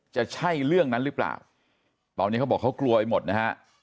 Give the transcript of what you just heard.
จะใช่เรื่องนั้นหรือเปล่าตอนนี้เขาบอกเขากลัวไปหมดนะฮะ